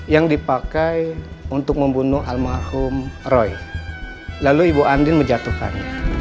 yang dipakai untuk membunuh almarhum roy lalu ibu andin menjatuhkan